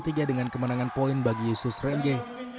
dia dengan kemenangan poin bagi yusus deremge